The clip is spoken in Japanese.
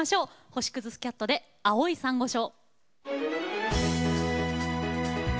星屑スキャットで「青い珊瑚礁」。